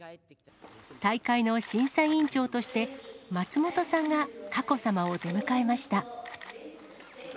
大会の審査委員長として、松本さんが佳子さまを出迎えました。